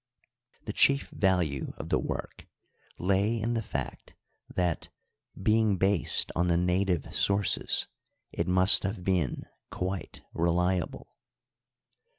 The chief value of the work lay in the fact that, being based on the native sources, it must have been quite reliable.